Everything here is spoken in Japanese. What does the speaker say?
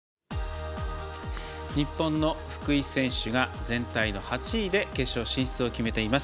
日本の福井選手が全体の８位で決勝進出を決めています。